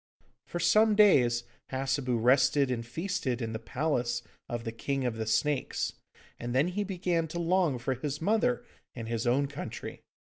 For some days Hassebu rested and feasted in the palace of the King of the Snakes, and then he began to long for his mother and his own country.